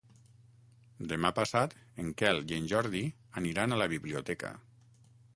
Demà passat en Quel i en Jordi aniran a la biblioteca.